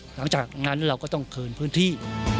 หลังจากนั้นเราก็ต้องคืนพื้นที่